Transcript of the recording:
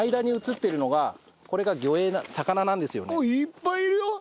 いっぱいいるよ！